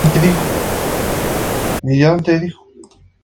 Francisco Pacheco y María Dolores Rubio tuvieron ocho hijos.